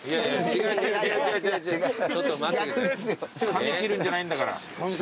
髪切るんじゃないんだから。